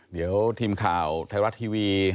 เดี๋ยวทีมข่าวไทยรัฐทีวี